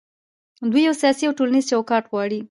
دوی یو سیاسي او ټولنیز چوکاټ غواړي.